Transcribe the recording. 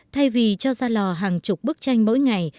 thay vì cho ra lò hàng chục bức tranh mỗi ngày